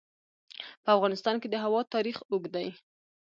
په افغانستان کې د هوا تاریخ اوږد دی.